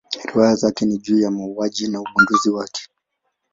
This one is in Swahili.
Riwaya zake ni juu ya mauaji na ugunduzi wake.